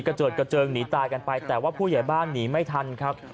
เจิดกระเจิงหนีตายกันไปแต่ว่าผู้ใหญ่บ้านหนีไม่ทันครับ